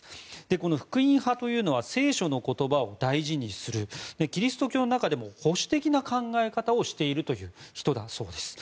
この福音派というのは聖書の言葉を大事にするキリスト教の中でも保守的な考え方をしているそうです。